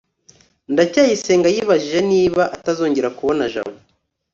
ndacyayisenga yibajije niba atazongera kubona jabo